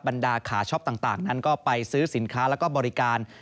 ดาขาช็อปต่างนั้นก็ไปซื้อสินค้าแล้วก็บริการ